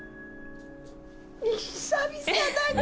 久々だが！